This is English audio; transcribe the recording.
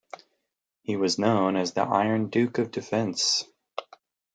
He was known as the Iron Duke of Defense.